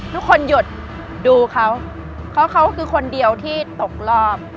ทุกคนหยุดดูเขาเพราะเขาคือคนเดียวที่ตกรอบ